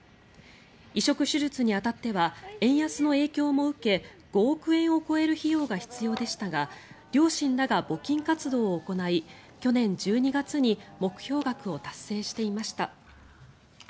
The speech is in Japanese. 移植手術に当たっては円安の影響も受け５億円を超える費用が必要でしたが両親らが募金活動を行い去年１２月に目標額を達成していました。